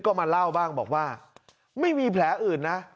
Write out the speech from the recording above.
ก็มาเล่าบ้างบอกว่าไม่มีแผลอื่นนะ